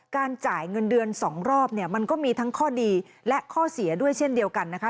จ่ายเงินเดือน๒รอบเนี่ยมันก็มีทั้งข้อดีและข้อเสียด้วยเช่นเดียวกันนะคะ